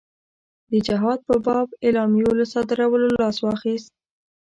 د جهاد په باب اعلامیو له صادرولو لاس واخیست.